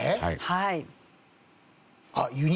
はい。